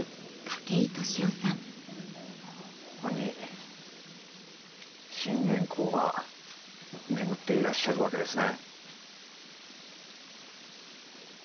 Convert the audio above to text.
ここに信玄公が眠っていらっしゃるわけですね。